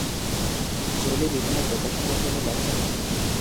Jolie বিভিন্ন প্রকাশনার জন্য লেখেন।